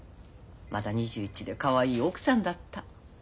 まだ２１でかわいい奥さんだった。